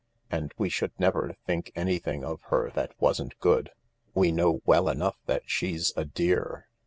And we should never think anything of her that wasn't good. We know well enough that she's a dear."